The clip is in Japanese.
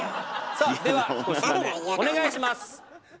さあでは１品目お願いします。